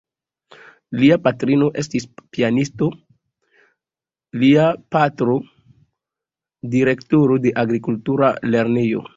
Lia patrino estis pianisto, lia patro direktoro de agrikultura lernejo.